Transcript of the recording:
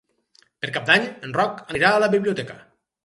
Per Cap d'Any en Roc anirà a la biblioteca.